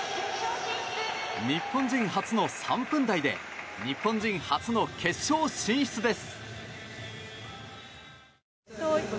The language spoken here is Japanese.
日本人初の３分台で日本人初の決勝進出です。